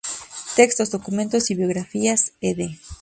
Textos, documentos y bibliografías"ed.